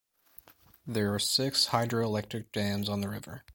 There are six hydroelectric dams on the river.